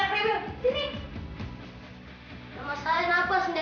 sini anak pria sini